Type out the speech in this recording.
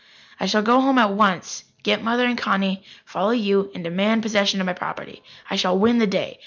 "I shall go home at once, get Mother and Connie, follow you, and demand possession of my property. I shall win the day.